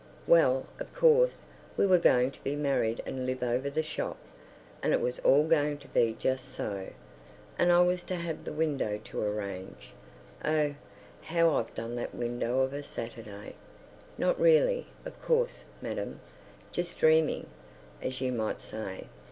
Well, of course, we were going to be married and live over the shop, and it was all going to be just so, and I was to have the window to arrange.... Oh, how I've done that window of a Saturday! Not really, of course, madam, just dreaming, as you might say.